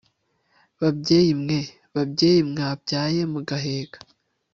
babyeyi mweee) babyeyi mwabyaye mugaheka